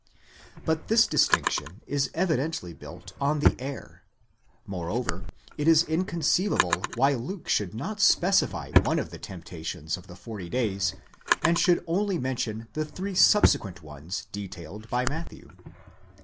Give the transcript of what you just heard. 6 But this distinction is evidently built on the air ; moreover, it is inconceivable why Luke should not specify one of the temptations of the forty days, and should only mention the three subse quent ones detailed by Matthew.